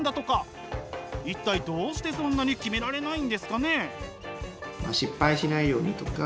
一体どうしてそんなに決められないんですかね？